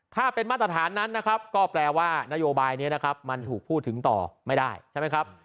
ถ้าเป็นมาตรฐานนั้นก็แปลว่านโยบายนี้ถูกพูดถึงต่อไม่ได้